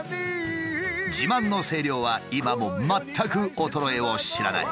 自慢の声量は今も全く衰えを知らない。